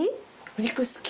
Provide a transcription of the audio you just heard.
お肉好き。